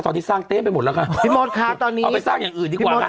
ตอนที่สร้างเต้นไปหมดแล้วค่ะเอาไปสร้างอย่างอื่นดีกว่าค่ะ